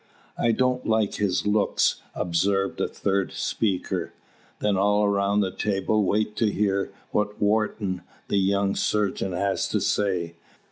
"I don't like his looks," observes a third speaker. Then all around the table wait to hear what Wharton, the young surgeon, has to say.